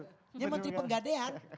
ini menteri penggadean